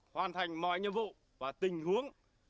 hoàn thành mọi nhiệm vụ và tình huống